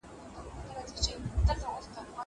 زه بايد نان وخورم!